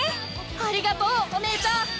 ありがとうお姉ちゃん！